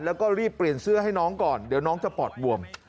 แล้วก็รีบเปลี่ยนเสื้อให้น้องก่อนเดี๋ยวน้องจะปอดบวม